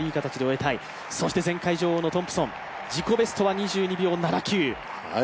そして前回女王のトンプソン、自己ベストは２２秒７９。